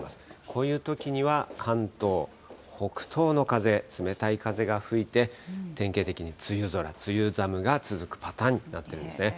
こういうときには関東、北東の風、冷たい風が吹いて、典型的に梅雨空、梅雨寒が続くパターンになっているんですね。